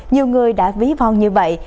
nhiều người đã ví vong như vậy